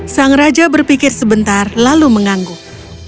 sang raja berpikir sebentar lalu mengangguk